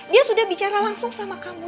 dia sudah bicara langsung sama kamu